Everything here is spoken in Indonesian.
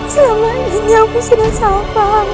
selama ini aku sudah salah paham kepadamu